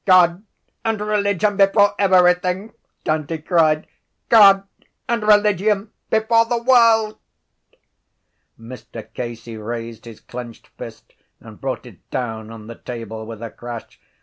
—God and religion before everything! Dante cried. God and religion before the world. Mr Casey raised his clenched fist and brought it down on the table with a crash.